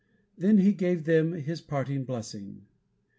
Then he gave them his parting blessing.